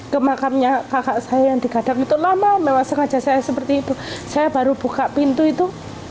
ke makamnya kakak saya yang digadang itu lama memang sengaja saya seperti itu saya baru buka pintu itu